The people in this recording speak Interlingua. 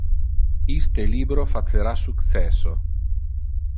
Iste libro facera successo.